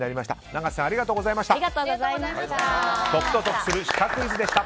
長瀬さんありがとうございました。